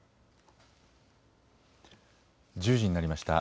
１０時になりました。